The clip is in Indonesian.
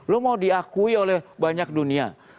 lo mau diakui oleh banyak dunia